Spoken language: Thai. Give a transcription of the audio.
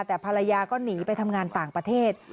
แต่ภรรยาก็หนีไปทำงานต่างประเทศ